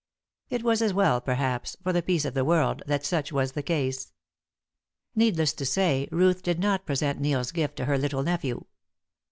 It was as well, perhaps, for the peace of the world that such was the case. Needless to say, Ruth did not present Neil's gift to her little nephew. Mrs.